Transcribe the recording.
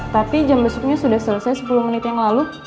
tapi jam besoknya sudah selesai sepuluh menit yang lalu